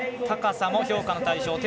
高さも評価の対象。